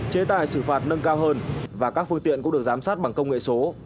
chế tài xử phạt nâng cao hơn và các phương tiện cũng được giám sát bằng công nghệ số